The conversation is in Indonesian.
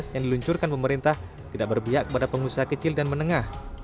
yang diluncurkan pemerintah tidak berpihak pada pengusaha kecil dan menengah